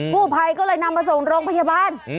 กู้ภัยก็เลยนำมาส่งโรงพยาบาล